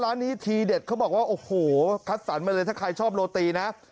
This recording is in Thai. ร้านนี้ทีเด็ดเขาบอกว่าโอ้โหคัดสรรมาเลยถ้าใครชอบโรตีนะ